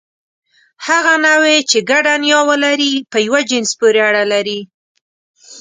هغه نوعې، چې ګډه نیا ولري، په یوه جنس پورې اړه لري.